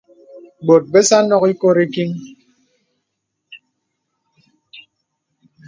Bòt bəsà à nók īkori kiŋ.